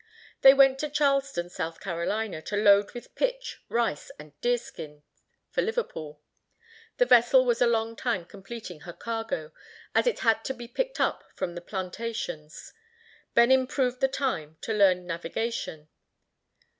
They went to Charleston, South Carolina, to load with pitch, rice, and deer skins, for Liverpool. The vessel was a long time completing her cargo, as it had to be picked up from the plantations. Ben improved the time to learn navigation.